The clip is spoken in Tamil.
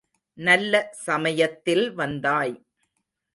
நல்ல சமயத்தில் வந்தாய்.